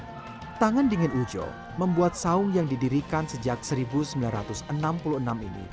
terus mengalun di saung ini tangan dingin ujjo membuat saung yang didirikan sejak seribu sembilan ratus enam puluh enam ini